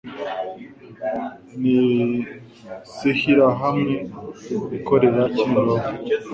ni sihyirahamwe ikorera Kimironko,